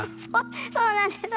そうなんですあの。